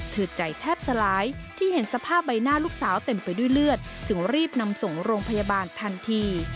ใจแทบสลายที่เห็นสภาพใบหน้าลูกสาวเต็มไปด้วยเลือดจึงรีบนำส่งโรงพยาบาลทันที